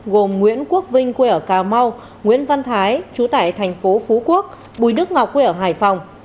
gồm nguyễn quốc vinh quê ở cà mau nguyễn văn thái trú tại thành phố phú quốc bùi đức ngọc quê ở hải phòng